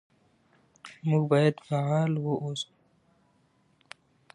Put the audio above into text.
موږ باید فعال اوسو.